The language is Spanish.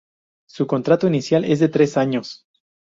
Su contrato inicial es de tres años.